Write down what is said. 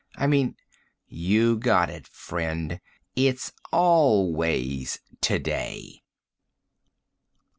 I mean " "You got it, friend. It's always today!"